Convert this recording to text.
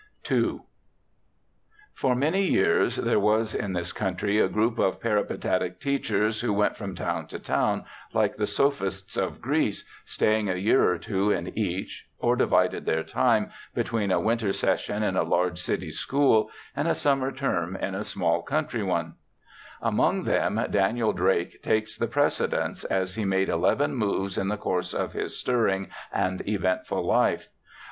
H For many years there was in this country a group of peripatetic teachers who went from town to town, like the Sophists of Greece, staying a year or two in each, or divided their time between a winter session in a large city school and a summer term in a small country one. ELISHA BARTLETT 117 Among them Daniel Drake takes the precedence, as he made eleven moves in the course of his stirring and eventful life.